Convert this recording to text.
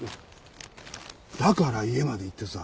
だから家まで行ってさ。